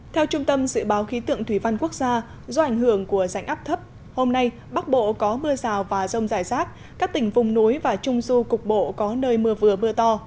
theo trung tâm dự báo khí tượng thủy văn quốc gia do ảnh hưởng của rãnh áp thấp hôm nay bắc bộ có mưa rào và rông rải rác các tỉnh vùng núi và trung du cục bộ có nơi mưa vừa mưa to